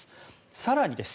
更にです。